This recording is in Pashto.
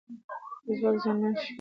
که ځواک زیانمن شي، ژوند به بدرنګ تیر شي.